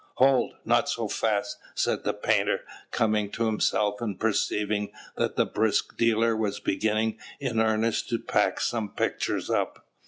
"Hold, not so fast!" said the painter, coming to himself, and perceiving that the brisk dealer was beginning in earnest to pack some pictures up.